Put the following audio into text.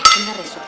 denger ya suti